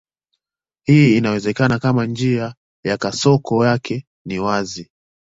Hii inawezekana kama njia ya kasoko yake ni wazi.